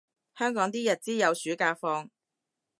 香港啲日資有暑假放